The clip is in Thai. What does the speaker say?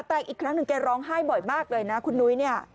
แต่อีกครั้งหนึ่งแกร้องไห้บ่อยมากเลยนะคุณนุ้ยเนี่ย